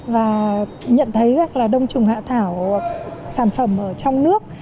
và nhận thấy rằng là đông trùng hạ thảo sản phẩm ở trong nước